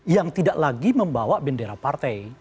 yang tidak lagi membawa bendera partai